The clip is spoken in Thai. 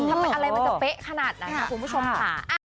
อะไรมันจะเป๊ะขนาดนั้นค่ะคุณผู้ชมค่ะ